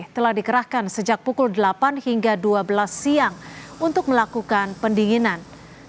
telah dikerahkan sejak pukul delapan hingga dua belas siang untuk melakukan pendinginan